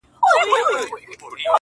بلا خبرې چي په زړه کي لکه ته پاتې دي_